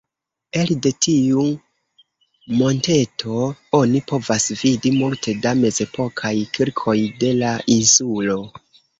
Elde tiu monteto oni povas vidi multe da mezepokaj kirkoj de la insulo.